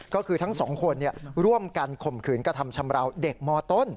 ก็คือทั้งสองคนร่วมกันข่มขืนกระทำชำราวเด็กมต้น